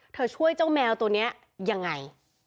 ช่วยเจ้าแมวตัวนี้ยังไง